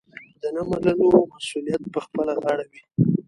د نه منلو مسوولیت پخپله غاړه وي.